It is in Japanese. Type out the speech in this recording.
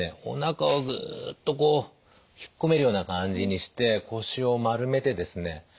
おなかをグッとこう引っ込めるような感じにして腰を丸めてですね